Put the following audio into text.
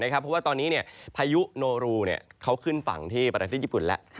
เพราะว่าตอนนี้พายุโนรูเขาขึ้นฝั่งที่ประเทศญี่ปุ่นแล้ว